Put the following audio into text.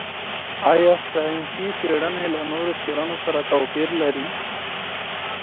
ایا ساینسي څېړني له نورو څېړنو سره توپیر لري؟